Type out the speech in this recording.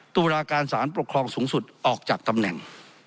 ตุลาการสารปกครองสูงสุดออกจากตำแหน่ง